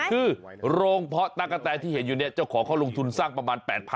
คือโรงเพาะตะกะแตที่เห็นอยู่เนี่ยเจ้าของเขาลงทุนสร้างประมาณ๘๐๐